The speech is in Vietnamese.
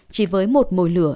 chỉ với một mồi lửa